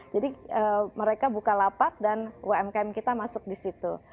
jadi mereka buka lapak dan umkm kita masuk disitu